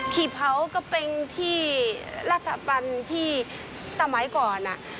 กี่เภาก็เป็นรัฐปรรณที่ทำไม่ก่อน